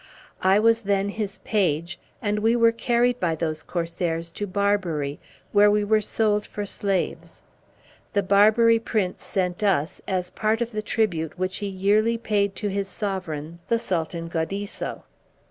I was then his page, and we were carried by those corsairs to Barbary, where we were sold for slaves. The Barbary prince sent us as part of the tribute which he yearly paid to his sovereign, the Sultan Gaudisso.